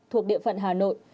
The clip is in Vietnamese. thuộc địa phận hà nội